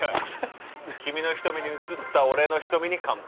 ◆君の瞳に映った俺の瞳に乾杯。